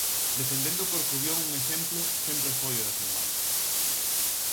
Defendendo Corcubión un exemplo sempre foi o desembarco.